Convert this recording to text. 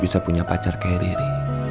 bisa punya pacar kayak diri